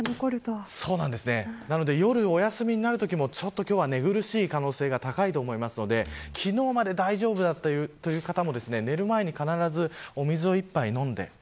なので夜お休みになるときも寝苦しい可能性が高いと思いますので昨日まで大丈夫だったという方も寝る前に必ずお水を一杯飲んで。